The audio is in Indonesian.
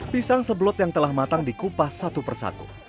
pisang seblot yang telah matang dikupas satu persatu